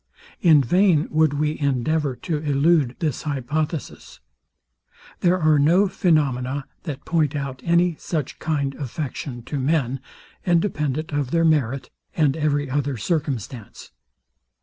In vain would we endeavour to elude this hypothesis. There are no phaenomena that point out any such kind affection to men, independent of their merit, and every other circumstance.